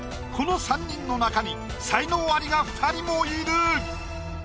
この３人の中に才能アリが２人もいる！